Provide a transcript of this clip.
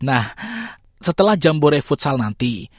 nah setelah jambore futsal nanti